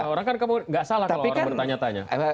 orang kan nggak salah kalau orang bertanya tanya